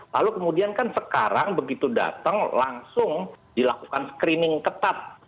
lalu kemudian kan sekarang begitu datang langsung dilakukan screening ketat